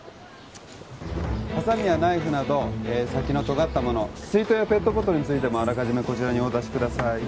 ハサミやナイフなど先のとがった物水筒やペットボトルについてもあらかじめこちらにお渡しください